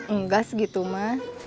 enggak segitu ma